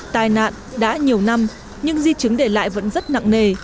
tài nạn đã nhiều năm nhưng di chứng để lại vẫn rất nặng nề